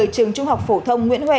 trường trung học phổ thông nguyễn huệ